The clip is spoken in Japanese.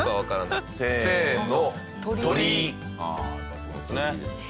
せーの。